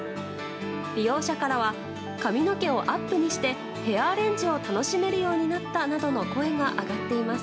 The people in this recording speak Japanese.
利用者からは髪の毛をアップにしてヘアアレンジを楽しめるようになったなどの声が上がっています。